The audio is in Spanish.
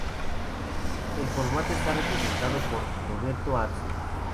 El formato está presentado por Roberto Arce.